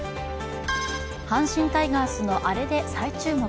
阪神タイガースのアレで再注目。